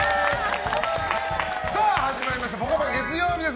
始まりました「ぽかぽか」月曜日です。